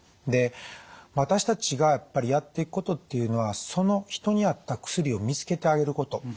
で私たちがやっぱりやっていくことっていうのはその人に合った薬を見つけてあげること。